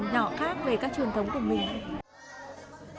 nhỏ khác về các truyền thống của mình